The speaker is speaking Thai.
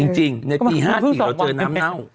จริงในปี๕๔เราเจอน้ำเน่า